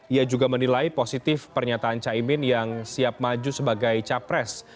ia juga menilai positif pernyataan caimin yang siap maju sebagai capres